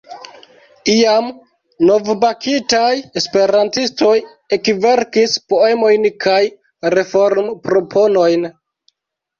Iam novbakitaj esperantistoj ekverkis poemojn kaj reformproponojn.